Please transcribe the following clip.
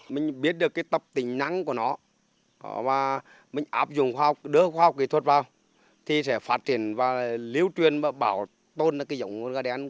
mình biết được cái tập tính năng của nó và mình áp dụng khoa học đưa khoa học kỹ thuật vào thì sẽ phát triển và liêu truyền và bảo tôn cái dòng gà đen